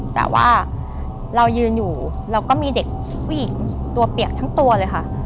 แต่ว่าเรายืนอยู่เราก็มีเด็กผู้หญิงตัวเปียกทั้งตัวเลยค่ะ